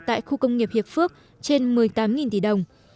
tại khu công nghiệp hiệp phước trên một mươi tám tỷ đồng